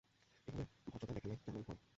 এভাবে ভদ্রতা দেখালে কেমন হয়?